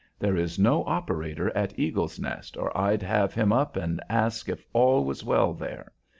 There is no operator at Eagle's Nest, or I'd have him up and ask if all was well there.